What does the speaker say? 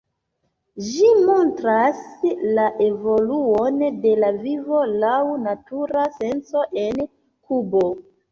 Ĝi montras la evoluon de la vivo, laŭ natura senco, en Kubo.